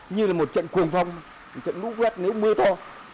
như là một trận cuồng phong một trận nút vét nếu mưa to